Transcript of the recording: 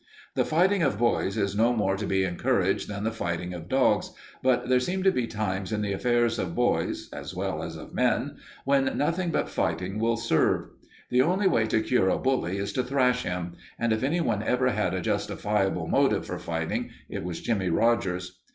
The fighting of boys is no more to be encouraged than the fighting of dogs, but there seem to be times in the affairs of boys as well as of men when nothing but fighting will serve. The only way to cure a bully is to thrash him, and if anyone ever had a justifiable motive for fighting it was Jimmie Rogers.